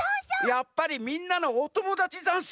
やっぱりみんなのおともだちざんすか？